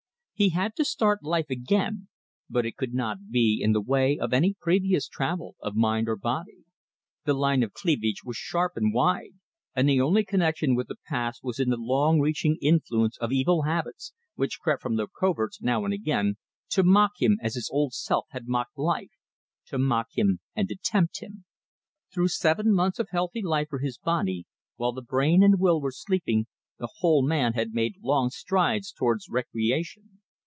He had to start life again; but it could not be in the way of any previous travel of mind or body. The line of cleavage was sharp and wide, and the only connection with the past was in the long reaching influence of evil habits, which crept from their coverts, now and again, to mock him as his old self had mocked life to mock him and to tempt him. Through seven months of healthy life for his body, while brain and will were sleeping, the whole man had made long strides towards recreation.